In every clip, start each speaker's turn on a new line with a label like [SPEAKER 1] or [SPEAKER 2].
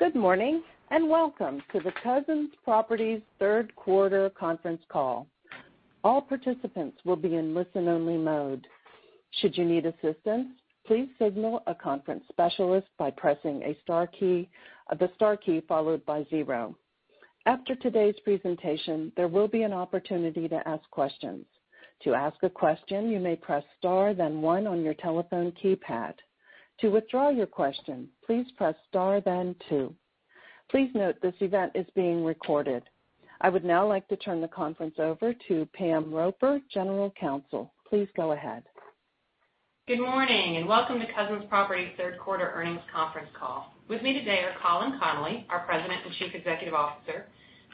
[SPEAKER 1] Good morning, welcome to the Cousins Properties third quarter conference call. All participants will be in listen-only mode. Should you need assistance, please signal a conference specialist by pressing a star key, followed by zero. After today's presentation, there will be an opportunity to ask questions. To ask a question, you may press star then one on your telephone keypad. To withdraw your question, please press star then two. Please note that this event is being recorded. I would now like to turn the conference over to Pam Roper, General Counsel. Please go ahead.
[SPEAKER 2] Good morning, and welcome to Cousins Properties Third Quarter Earnings Conference Call. With me today are Colin Connolly, our President and Chief Executive Officer,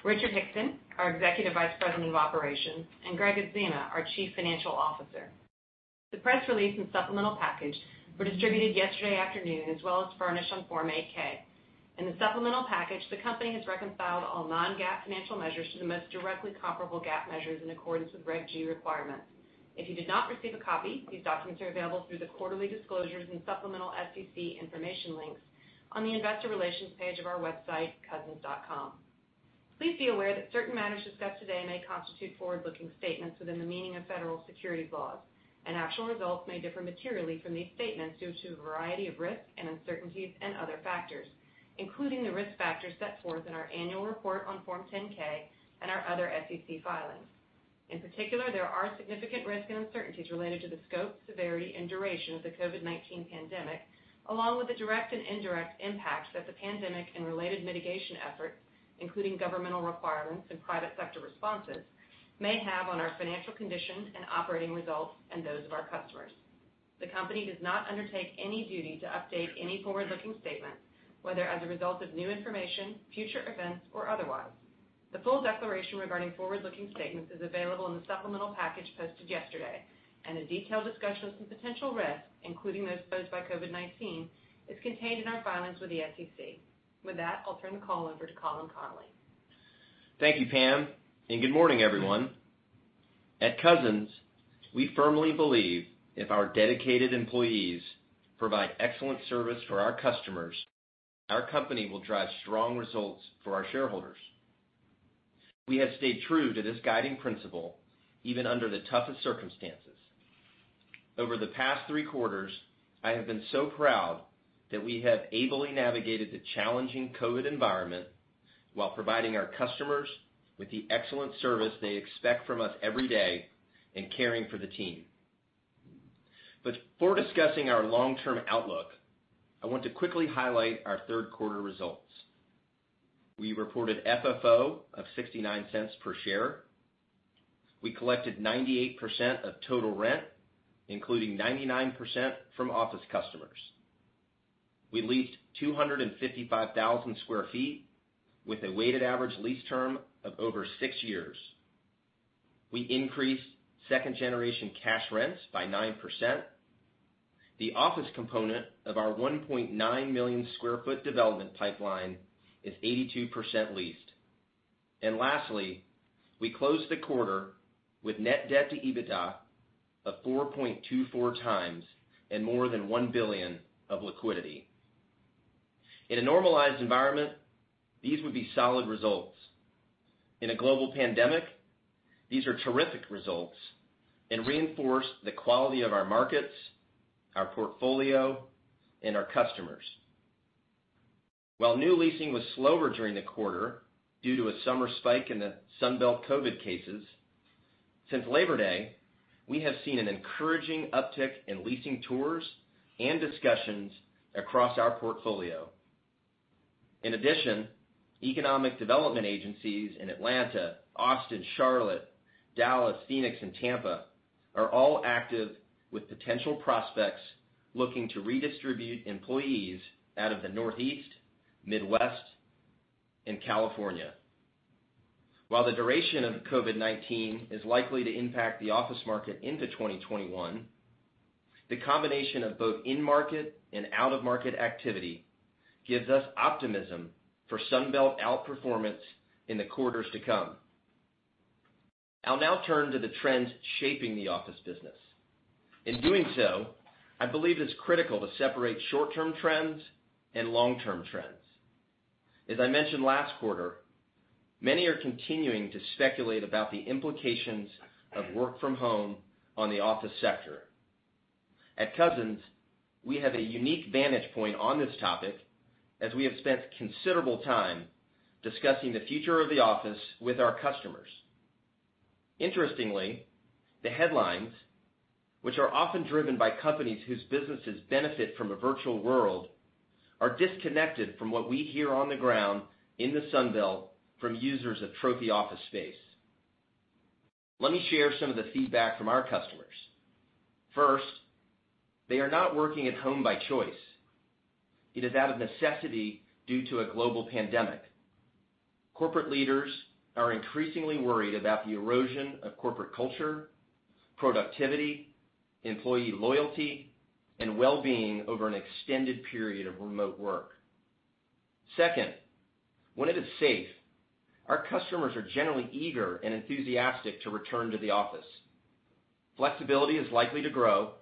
[SPEAKER 2] Richard Hickson, our Executive Vice President of Operations, and Gregg Adzema, our Chief Financial Officer. The press release and supplemental package were distributed yesterday afternoon as well as furnished on Form 8-K. In the supplemental package, the company has reconciled all non-GAAP financial measures to the most directly comparable GAAP measures in accordance with Reg G requirements. If you did not receive a copy, these documents are available through the quarterly disclosures and supplemental SEC information links on the investor relations page of our website, cousins.com. Please be aware that certain matters discussed today may constitute forward-looking statements within the meaning of federal securities laws, and actual results may differ materially from these statements due to a variety of risks and uncertainties and other factors, including the risk factors set forth in our annual report on Form 10-K and our other SEC filings. In particular, there are significant risks and uncertainties related to the scope, severity, and duration of the COVID-19 pandemic, along with the direct and indirect impacts that the pandemic and related mitigation efforts, including governmental requirements and private sector responses, may have on our financial condition and operating results and those of our customers. The company does not undertake any duty to update any forward-looking statements, whether as a result of new information, future events, or otherwise. The full declaration regarding forward-looking statements is available in the supplemental package posted yesterday, and a detailed discussion of some potential risks, including those posed by COVID-19, is contained in our filings with the SEC. With that, I'll turn the call over to Colin Connolly.
[SPEAKER 3] Thank you, Pam. Good morning, everyone. At Cousins, we firmly believe if our dedicated employees provide excellent service for our customers, our company will drive strong results for our shareholders. We have stayed true to this guiding principle, even under the toughest circumstances. Over the past three quarters, I have been so proud that we have ably navigated the challenging COVID-19 environment while providing our customers with the excellent service they expect from us every day and caring for the team. Before discussing our long-term outlook, I want to quickly highlight our third quarter results. We reported FFO of $0.69 per share. We collected 98% of total rent, including 99% from office customers. We leased 255,000 sq ft with a weighted average lease term of over six years. We increased second-generation cash rents by 9%. The office component of our 1.9 million square foot development pipeline is 82% leased. And lastly, we closed the quarter with net debt to EBITDA of 4.24x and more than $1 billion of liquidity. In a normalized environment, these would be solid results. In a global pandemic, these are terrific results and reinforce the quality of our markets, our portfolio, and our customers. While new leasing was slower during the quarter due to a summer spike in the Sun Belt COVID cases, since Labor Day, we have seen an encouraging uptick in leasing tours and discussions across our portfolio. In addition, economic development agencies in Atlanta, Austin, Charlotte, Dallas, Phoenix, and Tampa are all active with potential prospects looking to redistribute employees out of the Northeast, Midwest, and California. While the duration of COVID-19 is likely to impact the office market into 2021, the combination of both in-market and out-of-market activity gives us optimism for Sun Belt outperformance in the quarters to come. I'll now turn to the trends shaping the office business. In doing so, I believe it's critical to separate short-term trends and long-term trends. As I mentioned last quarter, many are continuing to speculate about the implications of work from home on the office sector. At Cousins, we have a unique vantage point on this topic, as we have spent considerable time discussing the future of the office with our customers. Interestingly, the headlines, which are often driven by companies whose businesses benefit from a virtual world, are disconnected from what we hear on the ground in the Sun Belt from users of trophy office space. Let me share some of the feedback from our customers. First, they are not working at home by choice. It is out of necessity due to a global pandemic. Corporate leaders are increasingly worried about the erosion of corporate culture, productivity, employee loyalty, and well-being over an extended period of remote work. Second, when it is safe, our customers are generally eager and enthusiastic to return to the office. Flexibility is likely to grow,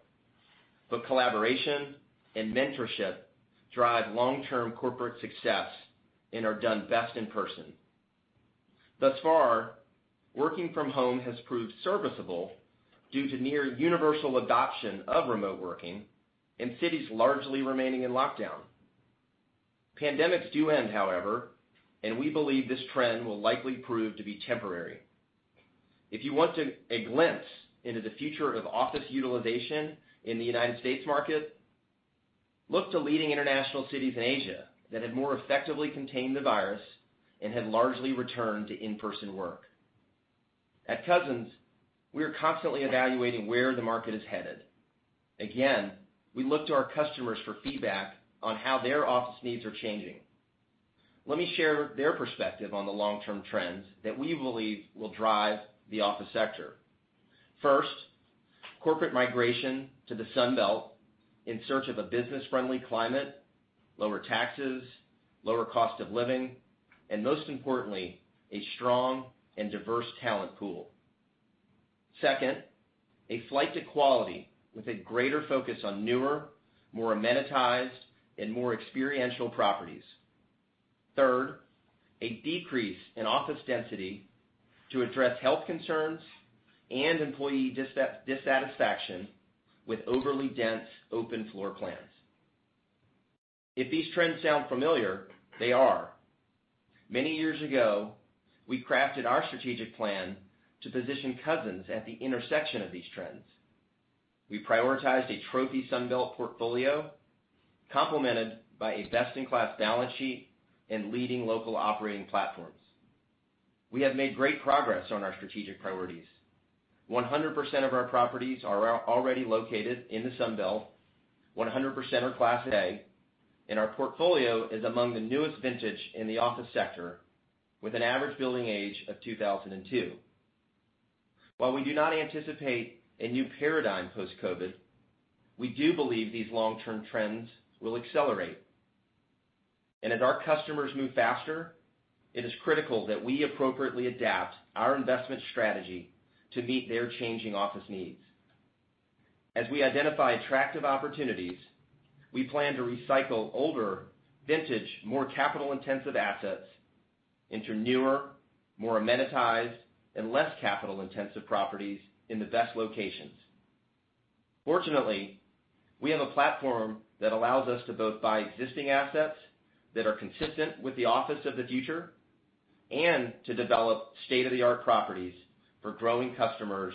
[SPEAKER 3] but collaboration and mentorship drive long-term corporate success and are done best in person. Thus far, working from home has proved serviceable due to near universal adoption of remote working in cities largely remaining in lockdown. Pandemics do end, however, and we believe this trend will likely prove to be temporary. If you want a glimpse into the future of office utilization in the United States market, look to leading international cities in Asia that have more effectively contained the virus and have largely returned to in-person work. At Cousins, we are constantly evaluating where the market is headed. Again, we look to our customers for feedback on how their office needs are changing. Let me share their perspective on the long-term trends that we believe will drive the office sector. First, corporate migration to the Sun Belt in search of a business-friendly climate, lower taxes, lower cost of living, and most importantly, a strong and diverse talent pool. Second, a flight to quality with a greater focus on newer, more amenitized, and more experiential properties. Third, a decrease in office density to address health concerns and employee dissatisfaction with overly dense open floor plans. If these trends sound familiar, they are. Many years ago, we crafted our strategic plan to position Cousins at the intersection of these trends. We prioritized a trophy Sun Belt portfolio, complemented by a best-in-class balance sheet and leading local operating platforms. We have made great progress on our strategic priorities. A 100% of our properties are already located in the Sun Belt, 100% are class A, and our portfolio is among the newest vintage in the office sector, with an average building age of 2002. While we do not anticipate a new paradigm post-COVID, we do believe these long-term trends will accelerate. As our customers move faster, it is critical that we appropriately adapt our investment strategy to meet their changing office needs. As we identify attractive opportunities, we plan to recycle older vintage, more capital-intensive assets into newer, more amenitized, and less capital-intensive properties in the best locations. Fortunately, we have a platform that allows us to both buy existing assets that are consistent with the office of the future and to develop state-of-the-art properties for growing customers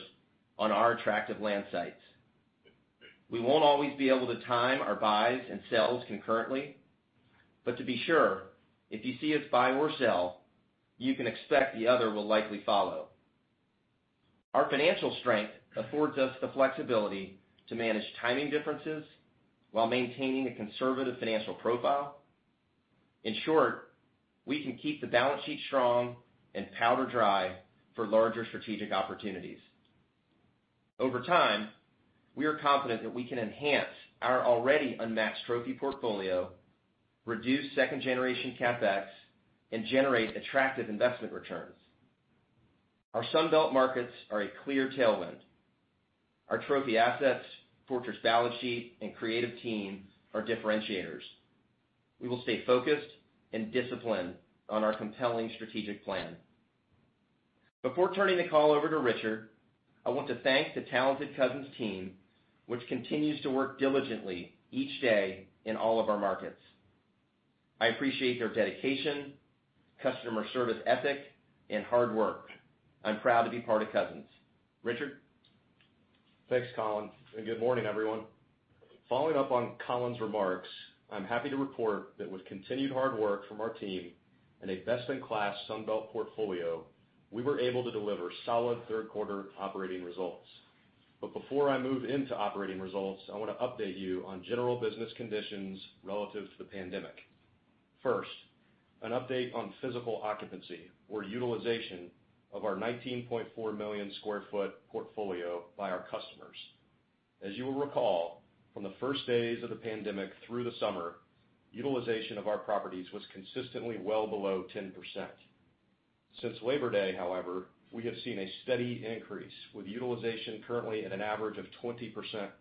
[SPEAKER 3] on our attractive land sites. We won't always be able to time our buys and sells concurrently, but to be sure, if you see us buy or sell, you can expect the other will likely follow. Our financial strength affords us the flexibility to manage timing differences while maintaining a conservative financial profile. In short, we can keep the balance sheet strong and powder dry for larger strategic opportunities. Over time, we are confident that we can enhance our already unmatched trophy portfolio, reduce second-generation CapEx, and generate attractive investment returns. Our Sun Belt markets are a clear tailwind. Our trophy assets, fortress balance sheet, and creative team are differentiators. We will stay focused and disciplined on our compelling strategic plan. Before turning the call over to Richard, I want to thank the talented Cousins team, which continues to work diligently each day in all of our markets. I appreciate their dedication, customer service ethic, and hard work. I'm proud to be part of Cousins. Richard?
[SPEAKER 4] Thanks, Colin. Good morning, everyone. Following up on Colin's remarks, I'm happy to report that with continued hard work from our team and a best-in-class Sun Belt portfolio, we were able to deliver solid third-quarter operating results. Before I move into operating results, I want to update you on general business conditions relative to the pandemic. First, an update on physical occupancy or utilization of our 19.4 million square foot portfolio by our customers. As you will recall, from the first days of the pandemic through the summer, utilization of our properties was consistently well below 10%. Since Labor Day, however, we have seen a steady increase, with utilization currently at an average of 20%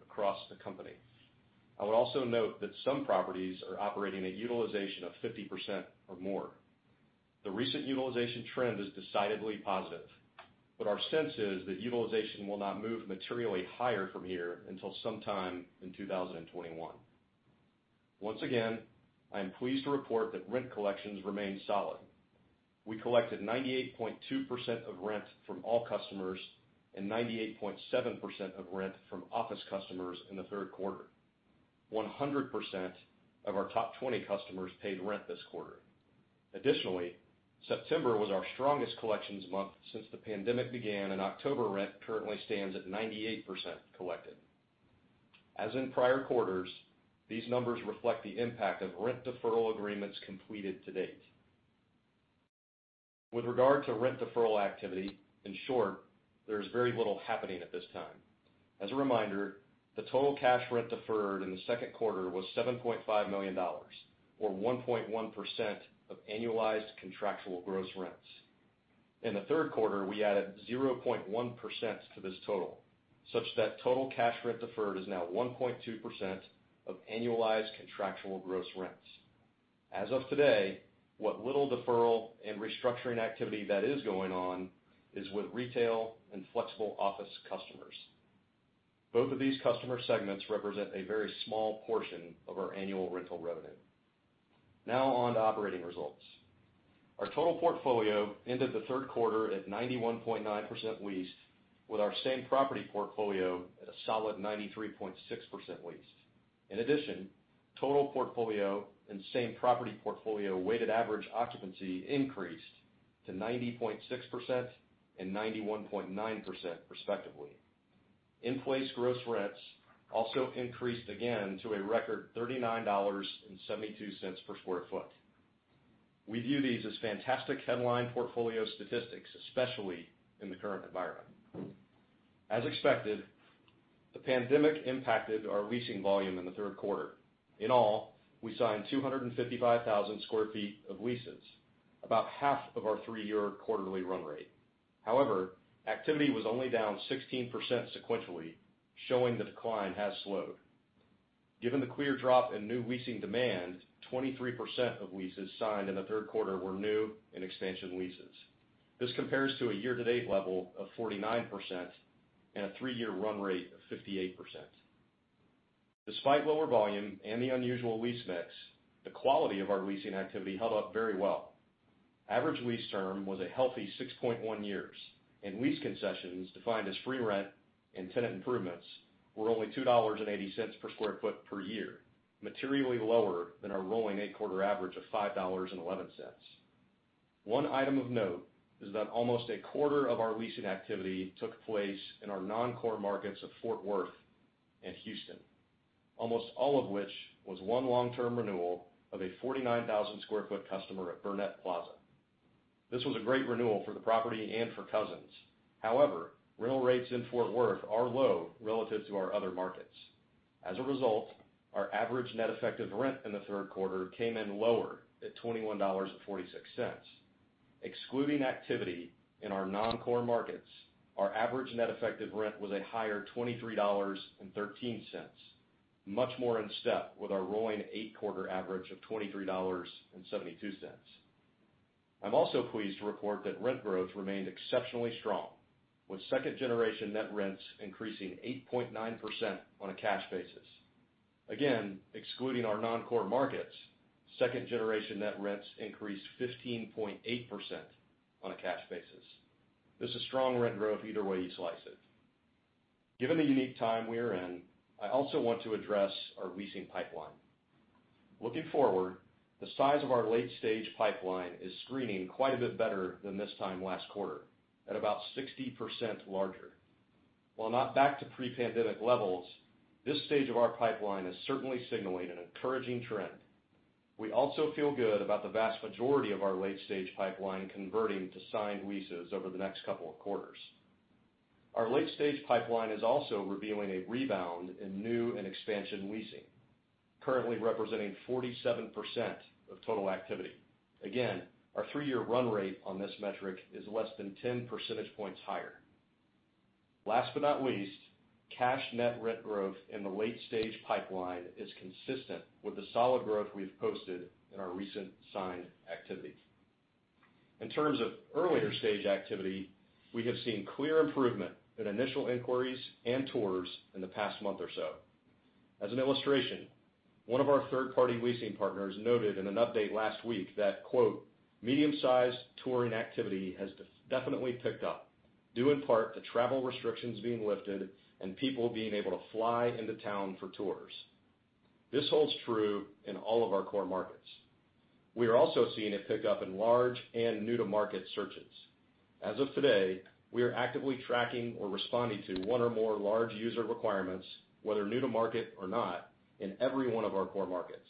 [SPEAKER 4] across the company. I would also note that some properties are operating a utilization of 50% or more. The recent utilization trend is decidedly positive, but our sense is that utilization will not move materially higher from here until sometime in 2021. Once again, I am pleased to report that rent collections remain solid. We collected 98.2% of rent from all customers and 98.7% of rent from office customers in the third quarter. 100% of our top 20 customers paid rent this quarter. September was our strongest collections month since the pandemic began, and October rent currently stands at 98% collected. As in prior quarters, these numbers reflect the impact of rent deferral agreements completed to date. With regard to rent deferral activity, in short, there is very little happening at this time. As a reminder. The total cash rent deferred in the second quarter was $7.5 million, or 1.1% of annualized contractual gross rents. In the third quarter, we added 0.1% to this total, such that total cash rent deferred is now 1.2% of annualized contractual gross rents. As of today, what little deferral and restructuring activity that is going on is with retail and flexible office customers. Both of these customer segments represent a very small portion of our annual rental revenue. Now on to operating results. Our total portfolio ended the third quarter at 91.9% leased, with our same-property portfolio at a solid 93.6% leased. In addition, total portfolio and same-property portfolio weighted average occupancy increased to 90.6% and 91.9%, respectively. In-place gross rents also increased again to a record $39.72 per square foot. We view these as fantastic headline portfolio statistics, especially in the current environment. As expected, the pandemic impacted our leasing volume in the third quarter. In all, we signed 255,000 sq ft of leases, about half of our three-year quarterly run rate. However, activity was only down 16% sequentially, showing the decline has slowed. Given the clear drop in new leasing demand, 23% of leases signed in the third quarter were new and expansion leases. This compares to a year-to-date level of 49% and a three-year run rate of 58%. Despite lower volume and the unusual lease mix, the quality of our leasing activity held up very well. Average lease term was a healthy 6.1 years, and lease concessions, defined as free rent and tenant improvements, were only $2.80 per square foot per year, materially lower than our rolling eight-quarter average of $5.11. One item of note is that almost a quarter of our leasing activity took place in our non-core markets of Fort Worth and Houston, almost all of which was one long-term renewal of a 49,000-sq ft customer at Burnett Plaza. This was a great renewal for the property and for Cousins. However, rental rates in Fort Worth are low relative to our other markets. As a result, our average net effective rent in the third quarter came in lower at $21.46. Excluding activity in our non-core markets, our average net effective rent was a higher $23.13, much more in step with our rolling eight-quarter average of $23.72. I'm also pleased to report that rent growth remained exceptionally strong, with second-generation net rents increasing 8.9% on a cash basis. Again, excluding our non-core markets, second-generation net rents increased 15.8% on a cash basis. This is strong rent growth either way you slice it. Given the unique time we are in, I also want to address our leasing pipeline. Looking forward, the size of our late-stage pipeline is screening quite a bit better than this time last quarter, at about 60% larger. While not back to pre-pandemic levels, this stage of our pipeline is certainly signaling an encouraging trend. We also feel good about the vast majority of our late-stage pipeline converting to signed leases over the next couple of quarters. Our late-stage pipeline is also revealing a rebound in new and expansion leasing, currently representing 47% of total activity. Again, our three-year run rate on this metric is less than 10 percentage points higher. Last but not least, cash net rent growth in the late-stage pipeline is consistent with the solid growth we've posted in our recent signed activity. In terms of earlier-stage activity, we have seen clear improvement in initial inquiries and tours in the past month or so. As an illustration, one of our third-party leasing partners noted in an update last week that, quote: Medium-sized touring activity has definitely picked up, due in part to travel restrictions being lifted and people being able to fly into town for tours. This holds true in all of our core markets. We are also seeing a pickup in large and new-to-market searches. As of today, we are actively tracking or responding to one or more large user requirements, whether new to market or not, in every one of our core markets.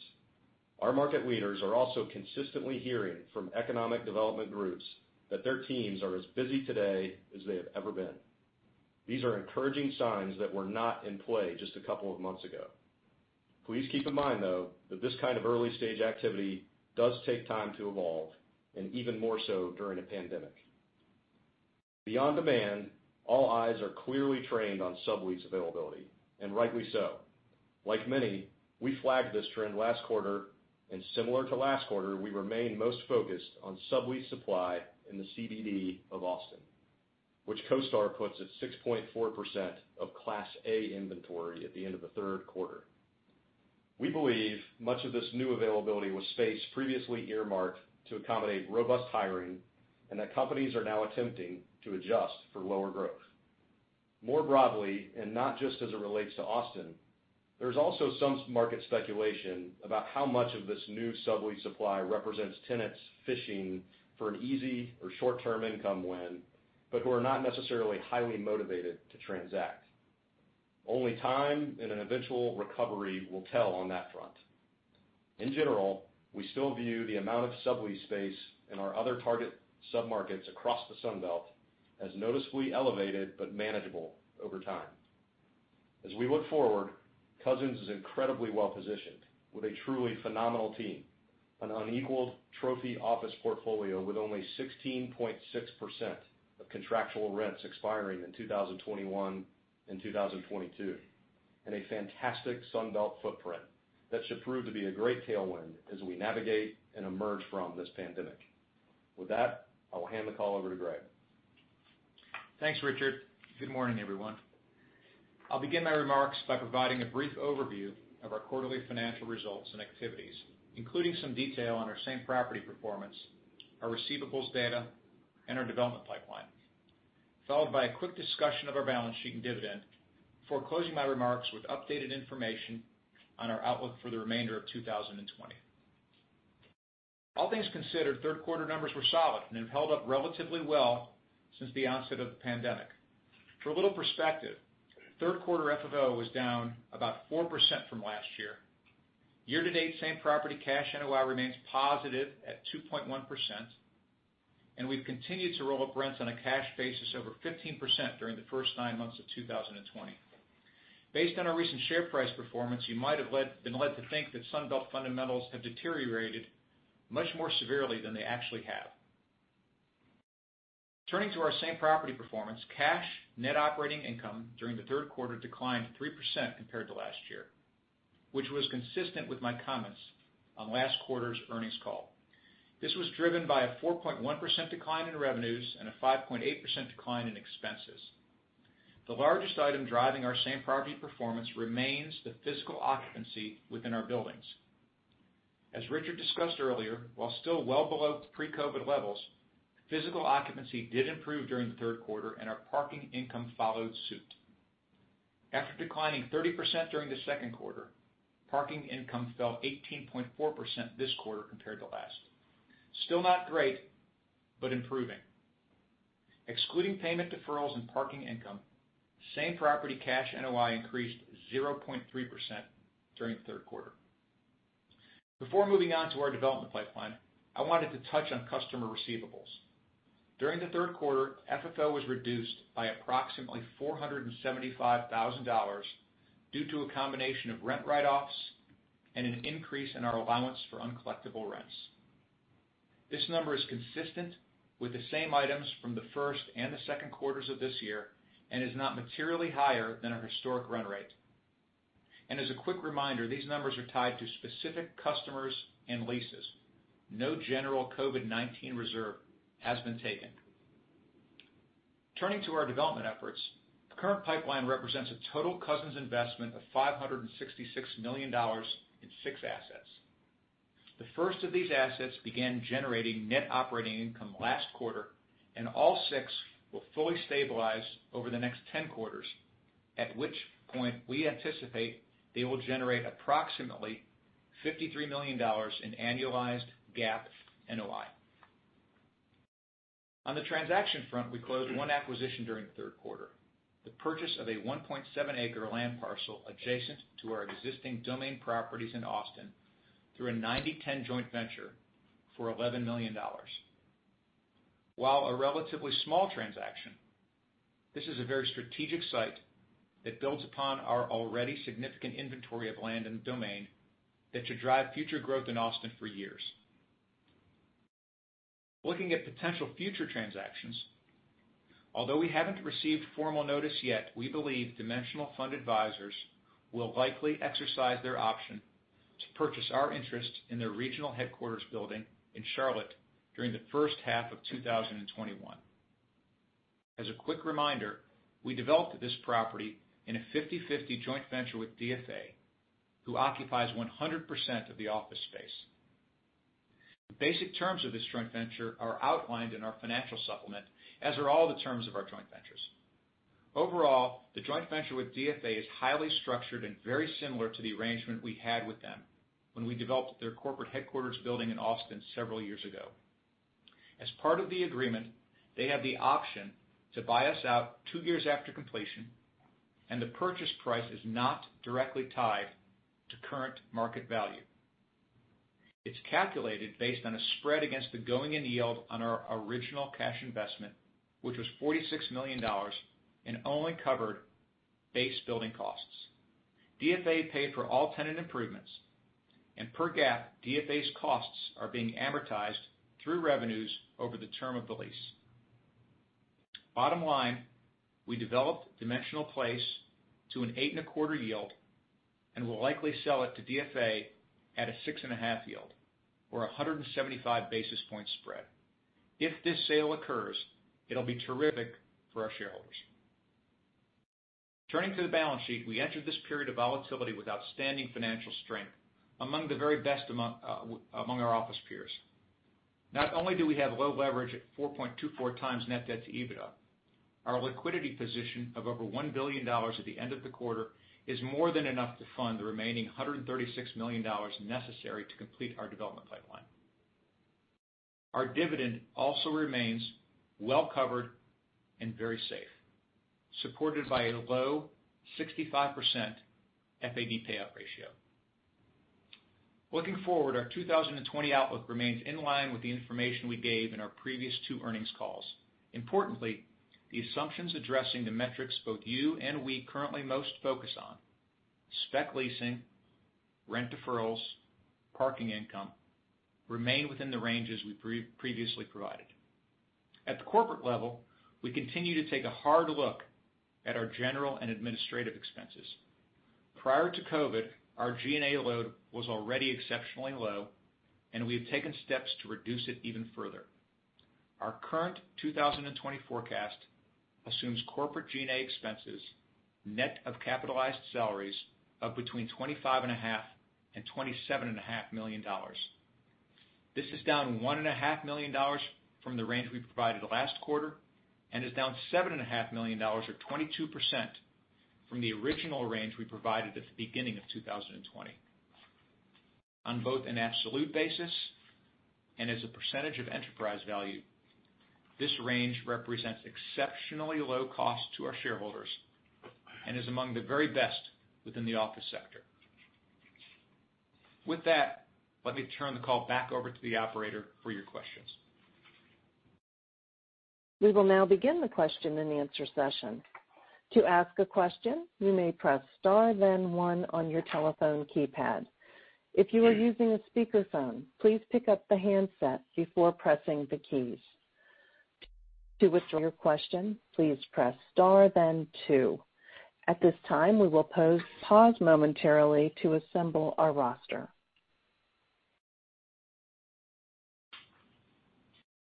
[SPEAKER 4] Our market leaders are also consistently hearing from economic development groups that their teams are as busy today as they have ever been. These are encouraging signs that were not in play just a couple of months ago. Please keep in mind, though, that this kind of early-stage activity does take time to evolve, and even more so during a pandemic. Beyond demand, all eyes are clearly trained on sublease availability, and rightly so. Like many, we flagged this trend last quarter, and similar to last quarter, we remain most focused on sublease supply in the CBD of Austin, which CoStar puts at 6.4% of Class A inventory at the end of the third quarter. We believe much of this new availability was space previously earmarked to accommodate robust hiring and that companies are now attempting to adjust for lower growth. More broadly, and not just as it relates to Austin, there's also some market speculation about how much of this new sublease supply represents tenants fishing for an easy or short-term income win, but who are not necessarily highly motivated to transact. Only time and an eventual recovery will tell on that front. In general, we still view the amount of sublease space in our other target submarkets across the Sun Belt as noticeably elevated but manageable over time. As we look forward, Cousins is incredibly well-positioned, with a truly phenomenal team, an unequaled trophy office portfolio with only 16.6% of contractual rents expiring in 2021 and 2022, and a fantastic Sun Belt footprint that should prove to be a great tailwind as we navigate and emerge from this pandemic. With that, I will hand the call over to Gregg.
[SPEAKER 5] Thanks, Richard. Good morning, everyone. I'll begin my remarks by providing a brief overview of our quarterly financial results and activities, including some detail on our same property performance, our receivables data, and our development pipeline, followed by a quick discussion of our balance sheet and dividend before closing my remarks with updated information on our outlook for the remainder of 2020. All things considered, third quarter numbers were solid and have held up relatively well since the onset of the pandemic. For a little perspective, third quarter FFO was down about 4% from last year. Year-to-date, same property cash NOI remains positive at 2.1%, and we've continued to roll up rents on a cash basis over 15% during the first nine months of 2020. Based on our recent share price performance, you might have been led to think that Sun Belt fundamentals have deteriorated much more severely than they actually have. Turning to our same property performance, cash net operating income during the third quarter declined 3% compared to last year, which was consistent with my comments on last quarter's earnings call. This was driven by a 4.1% decline in revenues and a 5.8% decline in expenses. The largest item driving our same property performance remains the physical occupancy within our buildings. As Richard discussed earlier, while still well below pre-COVID-19 levels, physical occupancy did improve during the third quarter, and our parking income followed suit. After declining 30% during the second quarter, parking income fell 18.4% this quarter compared to last. Still not great, but improving. Excluding payment deferrals and parking income, same property cash NOI increased 0.3% during the third quarter. Before moving on to our development pipeline, I wanted to touch on customer receivables. During the third quarter, FFO was reduced by approximately $475,000 due to a combination of rent write-offs and an increase in our allowance for uncollectible rents. This number is consistent with the same items from the first and the second quarters of this year and is not materially higher than our historic run rate. As a quick reminder, these numbers are tied to specific customers and leases. No general COVID-19 reserve has been taken. Turning to our development efforts, the current pipeline represents a total Cousins investment of $566 million in six assets. The first of these assets began generating net operating income last quarter, and all six will fully stabilize over the next 10 quarters, at which point we anticipate they will generate approximately $53 million in annualized GAAP NOI. On the transaction front, we closed one acquisition during the third quarter, the purchase of a 1.7 acre land parcel adjacent to our existing Domain in Austin through a 90/10 joint venture for $11 million. While a relatively small transaction, this is a very strategic site that builds upon our already significant inventory of land in Domain that should drive future growth in Austin for years. Looking at potential future transactions, although we haven't received formal notice yet, we believe Dimensional Fund Advisors will likely exercise their option to purchase our interest in their regional headquarters building in Charlotte during the first half of 2021. As a quick reminder, we developed this property in a 50/50 joint venture with DFA, who occupies 100% of the office space. The basic terms of this joint venture are outlined in our financial supplement, as are all the terms of our joint ventures. Overall, the joint venture with DFA is highly structured and very similar to the arrangement we had with them when we developed their corporate headquarters building in Austin several years ago. As part of the agreement, they have the option to buy us out two years after completion, and the purchase price is not directly tied to current market value. It's calculated based on a spread against the going in yield on our original cash investment, which was $46 million and only covered base building costs. DFA paid for all tenant improvements, and per GAAP, DFA's costs are being amortized through revenues over the term of the lease. Bottom line, we developed Dimensional Place to an 8.25% yield and will likely sell it to DFA at a 6.50% or 175 basis point spread. If this sale occurs, it'll be terrific for our shareholders. Turning to the balance sheet, we entered this period of volatility with outstanding financial strength, among the very best among our office peers. Not only do we have low leverage at 4.24x net debt to EBITDA, our liquidity position of over $1 billion at the end of the quarter is more than enough to fund the remaining $136 million necessary to complete our development pipeline. Our dividend also remains well-covered and very safe, supported by a low 65% FAD payout ratio. Looking forward, our 2020 outlook remains in line with the information we gave in our previous two earnings calls. Importantly, the assumptions addressing the metrics both you and we currently most focus on, spec leasing, rent deferrals, parking income, remain within the ranges we previously provided. At the corporate level, we continue to take a hard look at our general and administrative expenses. Prior to COVID-19, our G&A load was already exceptionally low, and we have taken steps to reduce it even further. Our current 2020 forecast assumes corporate G&A expenses, net of capitalized salaries, of between $25.5 million and $27.5 million. This is down $1.5 million from the range we provided last quarter, and is down $7.5 million, or 22%, from the original range we provided at the beginning of 2020. On both an absolute basis and as a percentage of enterprise value, this range represents exceptionally low cost to our shareholders and is among the very best within the office sector. With that, let me turn the call back over to the operator for your questions.
[SPEAKER 1] We will now begin the question and answer session. To ask a question, you may press star then one on you telephone keypad. If you are using a speakerphone, please pick up the handset before pressing the keys. To withdraw your question, please press star then two at this time. We will pause momentarily to assemble our roster.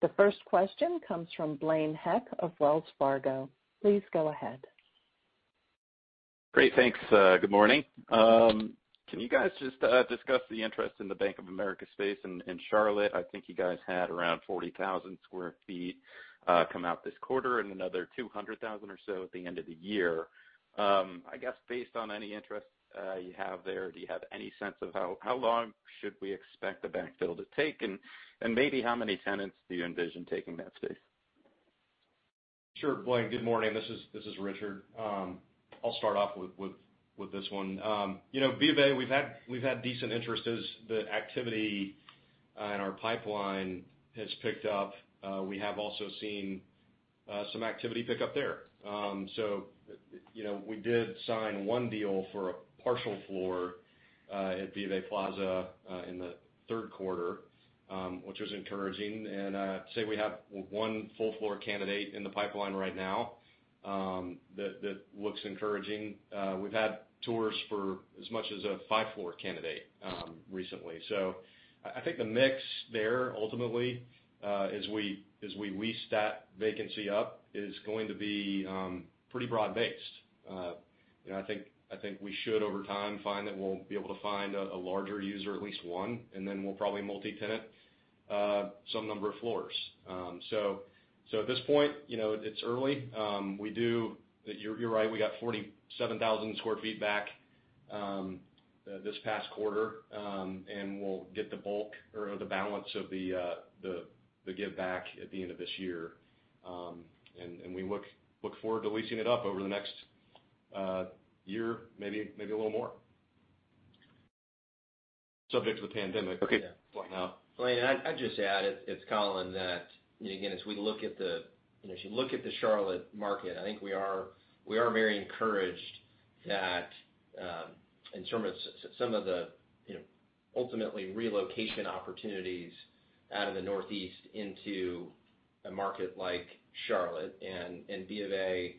[SPEAKER 1] The first question comes from Blaine Heck of Wells Fargo. Please go ahead.
[SPEAKER 6] Great. Thanks. Good morning. Can you guys just discuss the interest in the Bank of America space in Charlotte? I think you guys had around 40,000 sq ft come out this quarter and another 200,000 sq ft or so at the end of the year. I guess based on any interest you have there, do you have any sense of how long should we expect the backfill to take? And maybe how many tenants do you envision taking that space?
[SPEAKER 4] Sure, Blaine. Good morning. This is Richard. I'll start off with this one. BofA, we've had decent interest as the activity in our pipeline has picked up. We have also seen some activity pick up there. You know, we did sign one deal for a partial floor at BofA Plaza in the third quarter, which was encouraging, and I'd say we have one full-floor candidate in the pipeline right now that looks encouraging. We've had tours for as much as a five-floor candidate recently. I think the mix there ultimately, as we lease that vacancy up, is going to be pretty broad based. I think we should over time find that we'll be able to find a larger user, at least one, and then we'll probably multi-tenant some number of floors. At this point, you know, it's early, you're right, we got 47,000 sq ft back this past quarter. We'll get the bulk or the balance of the give back at the end of this year. We look forward to leasing it up over the next year, maybe a little more. Subject to the pandemic.
[SPEAKER 6] Okay.
[SPEAKER 4] Right now.
[SPEAKER 3] Blaine, I'd just add, it's Colin, that again, as you look at the Charlotte market, I think we are very encouraged that in terms of some of the ultimately relocation opportunities out of the Northeast into a market like Charlotte, and BofA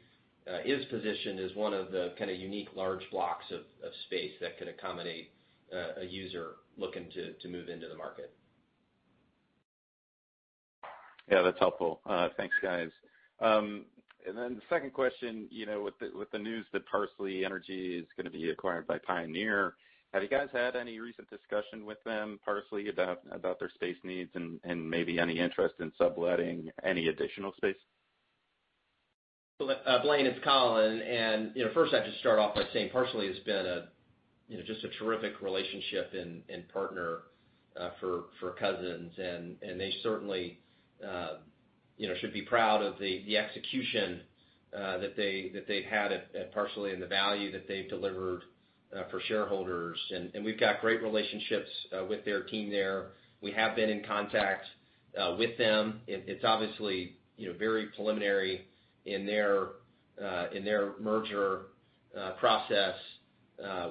[SPEAKER 3] is positioned as one of the kind of unique large blocks of space that could accommodate a user looking to move into the market.
[SPEAKER 6] Yeah, that's helpful. Thanks, guys. The second question, with the news that Parsley Energy is going to be acquired by Pioneer, have you guys had any recent discussion with them, Parsley, about their space needs and maybe any interest in subletting any additional space?
[SPEAKER 3] Blaine, it's Colin, first I have to start off by saying Parsley has been just a terrific relationship and partner for Cousins. They certainly should be proud of the execution that they've had at Parsley and the value that they've delivered for shareholders. We've got great relationships with their team there. We have been in contact with them. It's obviously, you know, very preliminary in their merger process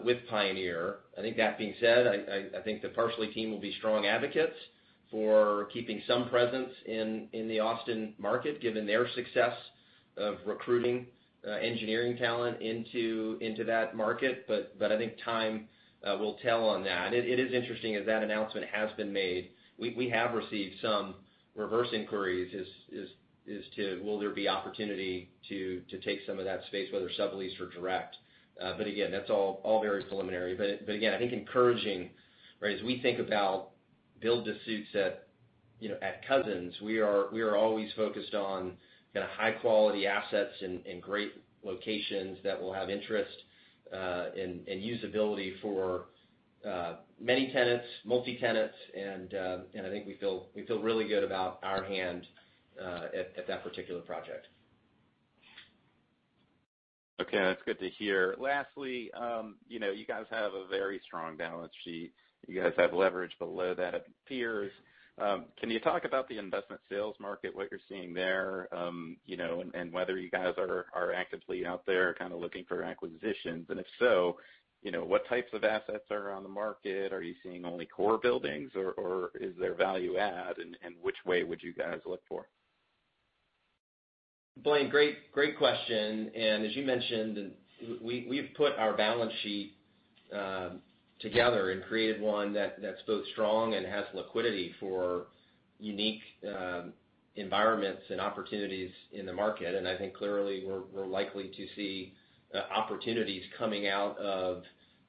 [SPEAKER 3] with Pioneer. I think that being said, I think the Parsley team will be strong advocates for keeping some presence in the Austin market, given their success of recruiting engineering talent into that market. I think time will tell on that. It is interesting, as that announcement has been made, we have received some reverse inquiries as to will there be opportunity to take some of that space, whether sublease or direct. But again, that's all very preliminary. Again, I think encouraging as we think about build to suits at Cousins, we are always focused on kind of high-quality assets and great locations that will have interest and usability for many tenants, multi-tenants, and I think we feel really good about our hand at that particular project.
[SPEAKER 6] Okay. That's good to hear. Lastly, you know, you guys have a very strong balance sheet. You guys have leverage below that of peers. Can you talk about the investment sales market, what you're seeing there, you know, and whether you guys are actively out there kind of looking for acquisitions? If so, you know, what types of assets are on the market? Are you seeing only core buildings, or is there value add? Which way would you guys look for?
[SPEAKER 3] Blaine, great question. As you mentioned, we've put our balance sheet together and created one that's both strong and has liquidity for unique environments and opportunities in the market. I think clearly we're likely to see opportunities coming out of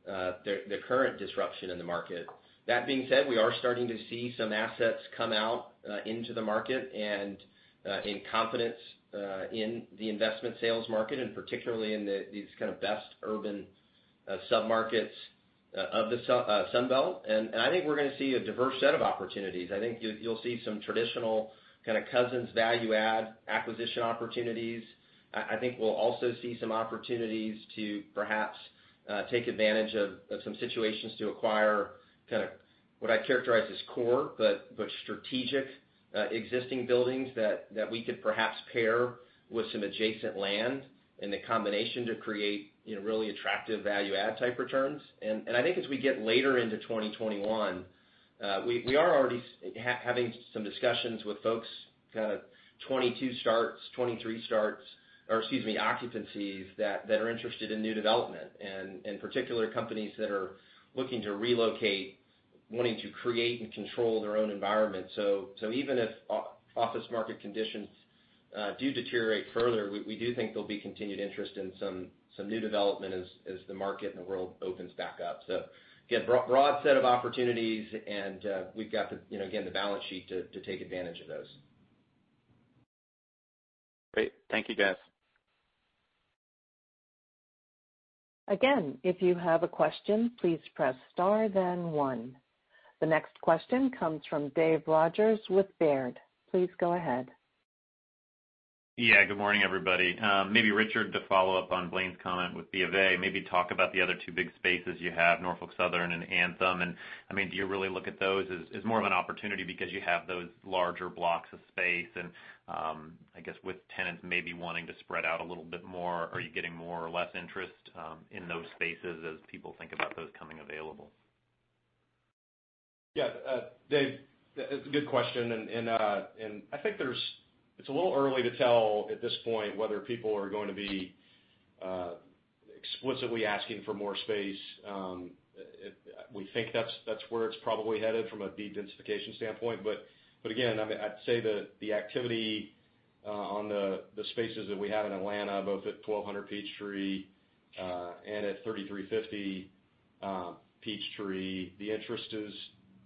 [SPEAKER 3] the current disruption in the market. That being said, we are starting to see some assets come out into the market, and in confidence in the investment sales market, and particularly in these kind of best urban sub-markets of the Sun Belt. I think we're going to see a diverse set of opportunities. I think you'll see some traditional kind of Cousins value add acquisition opportunities. I think we'll also see some opportunities to perhaps take advantage of some situations to acquire kind of what I'd characterize as core, but strategic existing buildings that we could perhaps pair with some adjacent land in the combination to create really attractive value add type returns. I think as we get later into 2021, we are already having some discussions with folks, kind of 2022 starts, 2023 starts, or excuse me, occupiers that are interested in new development. Particular companies that are looking to relocate, wanting to create and control their own environment. Even if office market conditions do deteriorate further, we do think there'll be continued interest in some new development as the market and the world opens back up. Again, broad set of opportunities, and we've got, again, the balance sheet to take advantage of those.
[SPEAKER 6] Great. Thank you, guys.
[SPEAKER 1] Again, if you have a question, please press star then one. The next question comes from Dave Rodgers with Baird. Please go ahead.
[SPEAKER 7] Yeah. Good morning, everybody. Maybe Richard to follow up on Blaine's comment with BofA. Maybe talk about the other two big spaces you have, Norfolk Southern and Anthem. I mean, do you really look at those as more of an opportunity because you have those larger blocks of space and, I guess with tenants maybe wanting to spread out a little bit more? Are you getting more or less interest in those spaces as people think about those coming available?
[SPEAKER 4] Yeah. Dave, it's a good question. I think it's a little early to tell at this point whether people are going to be explicitly asking for more space. We think that's where it's probably headed from a de-densification standpoint. Again, I'd say the activity on the spaces that we have in Atlanta, both at 1200 Peachtree, and at 3350 Peachtree, the interest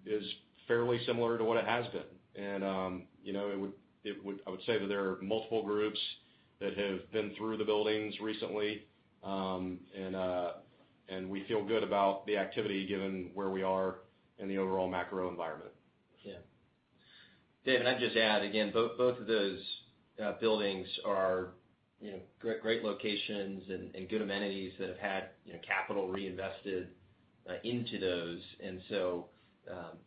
[SPEAKER 4] is fairly similar to what it has been. I would say that there are multiple groups that have been through the buildings recently. We feel good about the activity given where we are in the overall macro environment.
[SPEAKER 3] Yeah. Dave, I'd just add, again, both of those buildings are, you know, great locations and good amenities that have had capital reinvested into those.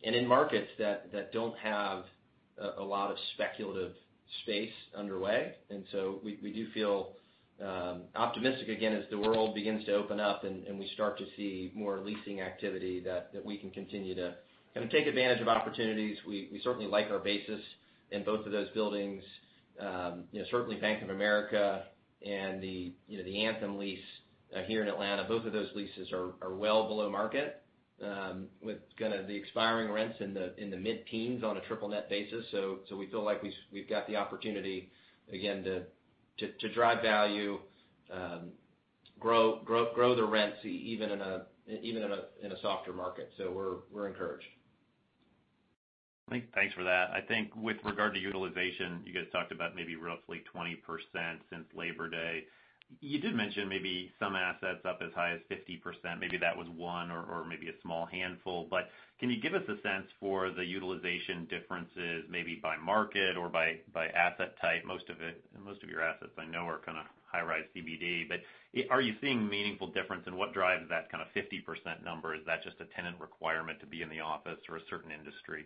[SPEAKER 3] In markets that don't have a lot of speculative space underway. We do feel optimistic again, as the world begins to open up and we start to see more leasing activity, that we can continue to kind of take advantage of opportunities. We certainly like our basis in both of those buildings. Certainly Bank of America and the Anthem lease here in Atlanta, both of those leases are well below market, with kind of the expiring rents in the mid-teens on a triple net basis. We feel like we've got the opportunity, again, to drive value, grow the rents even in a softer market. We're encouraged.
[SPEAKER 7] Thanks for that. I think with regard to utilization, you guys talked about maybe roughly 20% since Labor Day. You did mention maybe some assets up as high as 50%, maybe that was one or maybe a small handful. Can you give us a sense for the utilization differences, maybe by market or by asset type? Most of your assets I know are kind of high rise CBD, but are you seeing meaningful difference? What drives that kind of 50% number? Is that just a tenant requirement to be in the office or a certain industry?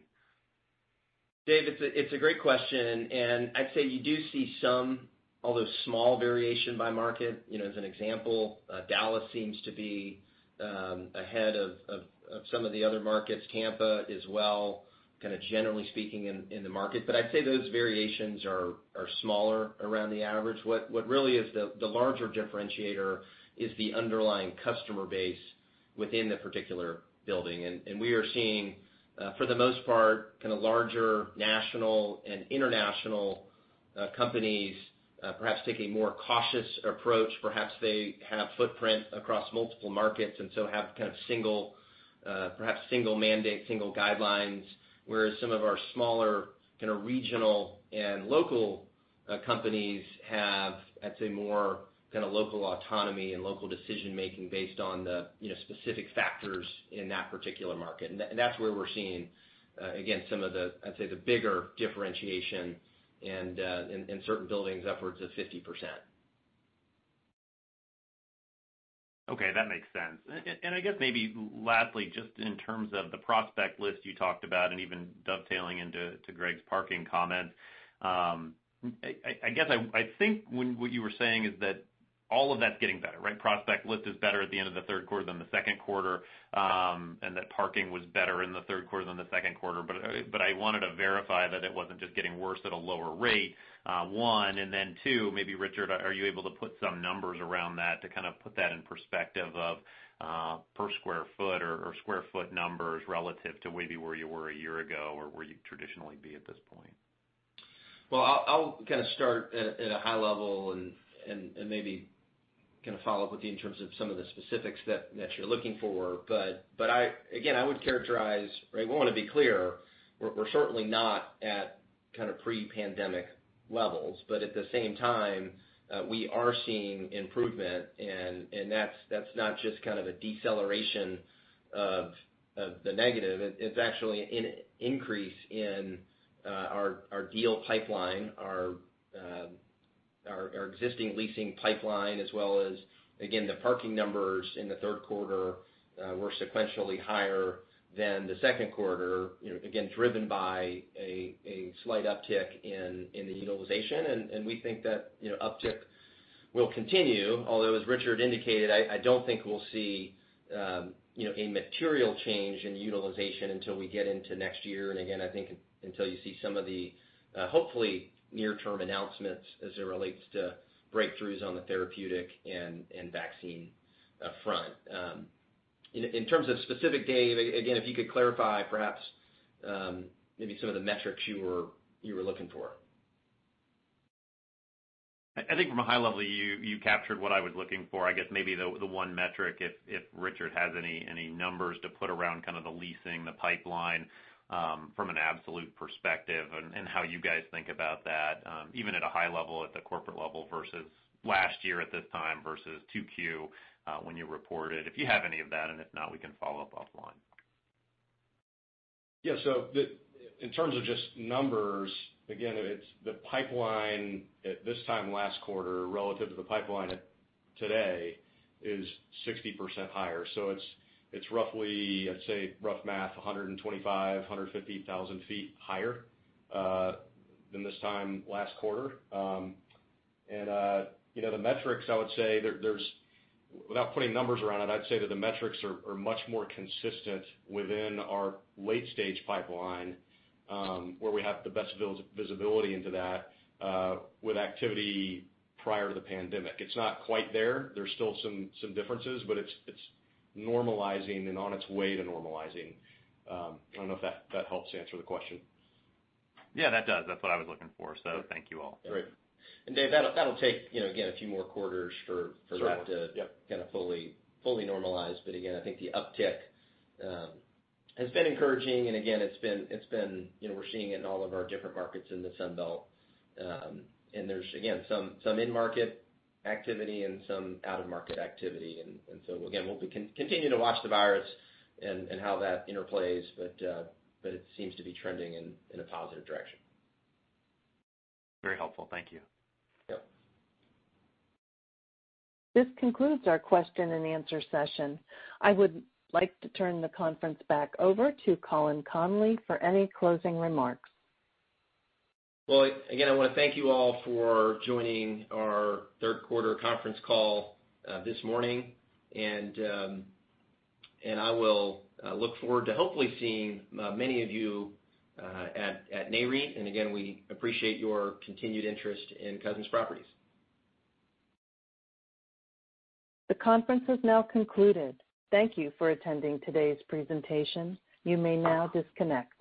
[SPEAKER 3] Dave, it's a great question. I'd say you do see some, although small, variation by market. As an example, Dallas seems to be ahead of some of the other markets. Tampa as well, kind of generally speaking in the market. I'd say those variations are smaller around the average. What really is the larger differentiator is the underlying customer base within the particular building. We are seeing, for the most part, kind of larger national and international companies perhaps taking a more cautious approach. Perhaps they have footprint across multiple markets and so have kind of perhaps single mandate, single guidelines. Whereas some of our smaller kind of regional and local companies have, I'd say, more kind of local autonomy and local decision-making based on the specific factors in that particular market. That's where we're seeing, again, some of the, I'd say, the bigger differentiation and in certain buildings, upwards of 50%.
[SPEAKER 7] Okay, that makes sense. I guess maybe lastly, just in terms of the prospect list you talked about, and even dovetailing into Gregg's parking comment, I guess I think what you were saying is that all of that's getting better, right? Prospect list is better at the end of the third quarter than the second quarter, and that parking was better in the third quarter than the second quarter. I wanted to verify that it wasn't just getting worse at a lower rate, one. Then two, maybe Richard, are you able to put some numbers around that to kind of put that in perspective of per square foot or square foot numbers relative to maybe where you were a year ago, or where you'd traditionally be at this point?
[SPEAKER 3] Well, I'll kind of start at a high level and maybe follow up with you in terms of some of the specifics that you're looking for. Again, I want to be clear, we're certainly not at pre-pandemic levels. At the same time, we are seeing improvement, and that's not just kind of a deceleration of the negative. It's actually an increase in our deal pipeline, our existing leasing pipeline, as well as, again, the parking numbers in the third quarter were sequentially higher than the second quarter. Driven by a slight uptick in the utilization. We think that uptick will continue, although, as Richard indicated, I don't think we'll see a material change in utilization until we get into next year. Again, I think until you see some of the, hopefully, near-term announcements as it relates to breakthroughs on the therapeutic and vaccine front. In terms of specific, Dave, again, if you could clarify perhaps maybe some of the metrics you were looking for?
[SPEAKER 7] I think from a high level, you captured what I was looking for. I guess maybe the one metric, if Richard has any numbers to put around kind of the leasing, the pipeline from an absolute perspective, and how you guys think about that, even at a high level, at the corporate level versus last year at this time, versus 2Q when you reported? If you have any of that, and if not, we can follow up offline.
[SPEAKER 4] In terms of just numbers, again, the pipeline at this time last quarter relative to the pipeline today is 60% higher. It's roughly, I'd say, rough math, 125,000 ft, 150,000 ft higher than this time last quarter. The metrics, I would say, without putting numbers around it, I'd say that the metrics are much more consistent within our late stage pipeline, where we have the best visibility into that, with activity prior to the pandemic. It's not quite there. There's still some differences, but it's normalizing and on its way to normalizing. I don't know if that helps answer the question.
[SPEAKER 7] Yeah, that does. That's what I was looking for. Thank you all.
[SPEAKER 4] Great.
[SPEAKER 3] Dave, that'll take a few more quarters—
[SPEAKER 7] Sure.
[SPEAKER 3] that to kind of fully normalize. Again, I think the uptick has been encouraging, and again, we're seeing it in all of our different markets in the Sun Belt. There's, again, some in-market activity and some out-of-market activity. Again, we'll continue to watch the virus and how that interplays, but it seems to be trending in a positive direction.
[SPEAKER 7] Very helpful. Thank you.
[SPEAKER 3] Yep.
[SPEAKER 1] This concludes our question and answer session. I would like to turn the conference back over to Colin Connolly for any closing remarks.
[SPEAKER 3] Well, again, I want to thank you all for joining our third quarter conference call this morning, and I will look forward to hopefully seeing many of you at Nareit. Again, we appreciate your continued interest in Cousins Properties.
[SPEAKER 1] The conference has now concluded. Thank you for attending today's presentation. You may now disconnect.